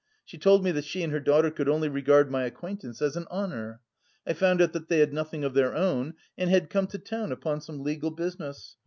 She told me that she and her daughter could only regard my acquaintance as an honour. I found out that they had nothing of their own and had come to town upon some legal business.